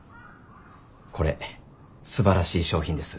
これすばらしい商品です。